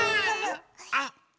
あっ！